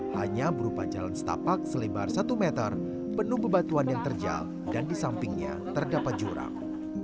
hanya berupa jalan setapak selebar satu meter penuh bebatuan yang terjal dan di sampingnya terdapat jurang